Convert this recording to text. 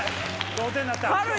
同点になった。